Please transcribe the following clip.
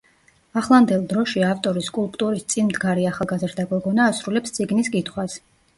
ახლანდელ დროში, ავტორის სკულპტურის წინ მდგარი ახლაგაზრდა გოგონა ასრულებს წიგნის კითხვას.